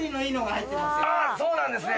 あぁそうなんですね！